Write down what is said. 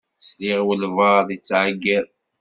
Sliɣ i walebɛaḍ yettɛeyyiḍ.